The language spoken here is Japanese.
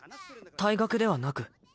退学ではなく？